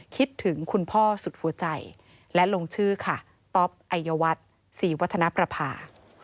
คิดถึงคุณพ่อสุดหัวใจและลงชื่อค่ะต๊อปไอยวัฒน์ศรีวัฒนประภา